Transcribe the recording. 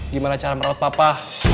gimana cara merawat papa